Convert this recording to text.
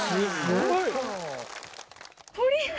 すごい！